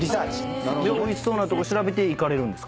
おいしそうなとこ調べて行かれるんですか？